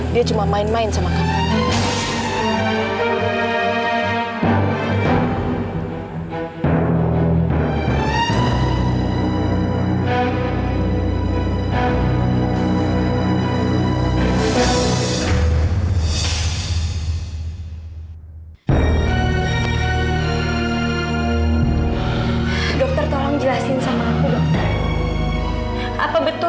dia cuma main main sama kamu